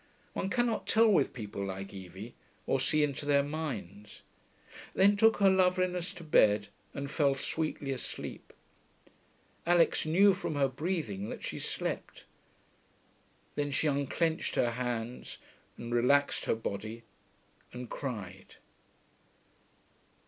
One cannot tell with people like Evie, or see into their minds), then took her loveliness to bed and fell sweetly asleep. Alix knew from her breathing that she slept; then she unclenched her hands and relaxed her body and cried.